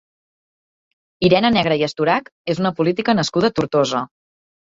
Irene Negre i Estorach és una política nascuda a Tortosa.